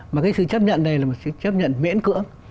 mà cái sự chấp nhận này là một sự chấp nhận miễn cưỡng